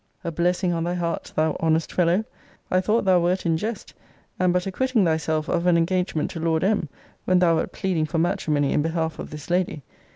A blessing on thy heart, thou honest fellow! I thought thou wert in jest, and but acquitting thyself of an engagement to Lord M. when thou wert pleading for matrimony in behalf of this lady!